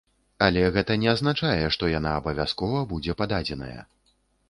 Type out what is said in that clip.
Але гэта не азначае, што яна абавязкова будзе пададзеная.